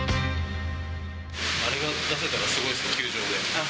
あれが出せたらすごいですね、球場で。